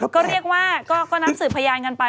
ก็เรียกว่าก็นับสืบพยานกันไป